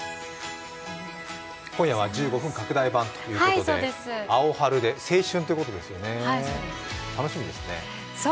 今夜は１５分拡大版ということでアオハルで青春っていうことですね楽しみですね。